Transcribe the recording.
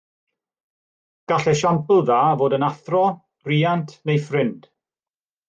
Gall esiampl dda fod yn athro, rhiant neu ffrind